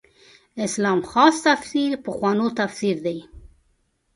اسلام خاص تفسیر پخوانو تفسیر دی.